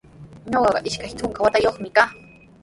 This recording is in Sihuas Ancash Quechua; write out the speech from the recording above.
Ñuqaqa ishka trunka watayuqmi kaa.